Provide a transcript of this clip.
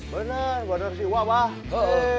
benar pak darsilwa pak